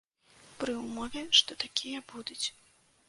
Пры ўмове, што такія будуць.